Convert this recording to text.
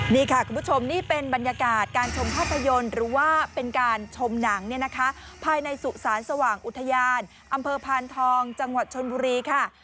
นี่ค่ะคุณผู้ชมนี่เป็นบรรยากาศการชมภาพยนตร์หรือว่าเป็นการชมหนังเนี่ยนะคะภายในสุสานสว่างอุทยานอำเภอพานทองจังหวัดชนบุรีค่ะ